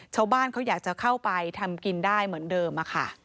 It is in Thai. ชาวบ้านเขาอยากจะเข้าไปทำกินได้เหมือนเดิมค่ะ